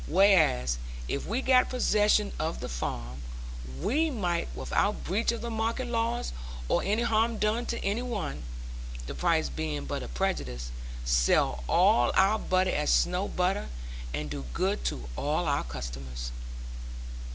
Whereas, if we got possession of the farm, we might, without breach of the market laws, or any harm done to any one (the price being but a prejudice), sell all our butter as Snowe butter, and do good to all our customers.